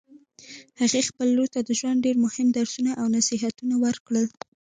هغې خپلې لور ته د ژوند ډېر مهم درسونه او نصیحتونه ورکړل